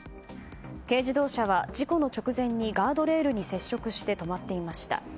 軽自動車は、事故の直前にガードレールに接触して止まっていました。